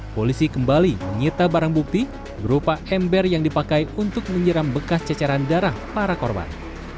polisi kembali menyita barang bukti berupa ember yang dipakai untuk menyeram bekas cecaran darah para korban